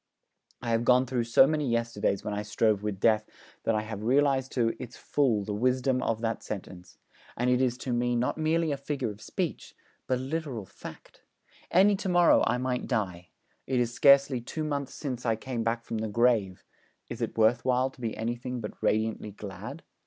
I have gone through so many yesterdays when I strove with Death that I have realised to its full the wisdom of that sentence; and it is to me not merely a figure of speech, but a literal fact. Any to morrow I might die. It is scarcely two months since I came back from the grave: is it worth while to be anything but radiantly glad?